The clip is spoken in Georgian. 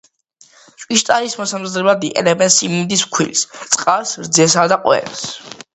ჭვიშტარის მოსამზადებლად იყენებენ სიმინდის ფქვილს, წყალს, რძესა და ყველს.